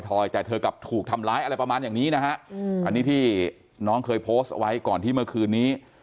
อยแต่เธอกลับถูกทำร้ายอะไรประมาณอย่างนี้นะฮะอันนี้ที่น้องเคยโพสต์ไว้ก่อนที่เมื่อคืนนี้